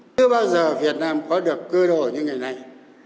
đưa bao giờ việt nam có được cơ độ như ngày này